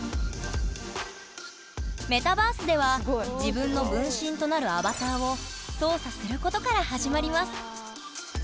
メタバースでは自分の分身となるアバターを操作することから始まります